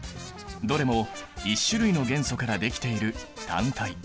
どれも１種類の元素からできている単体。